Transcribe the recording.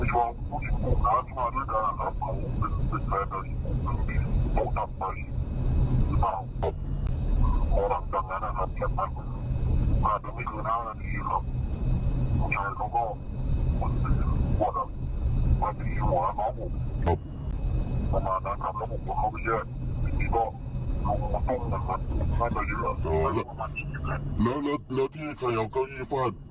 หรือเปล่า